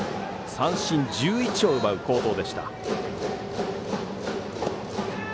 三振１１を奪う好投でした。